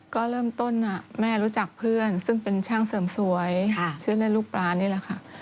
ก็เริ่มต้นแม่รู้จักเพื่อนซึ่งเป็นช่างเสริมสวยชื่อเล่นลูกปลานี่แหละค่ะ